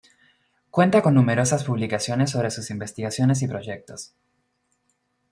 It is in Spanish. Cuenta con numerosas publicaciones sobre sus investigaciones y proyectos.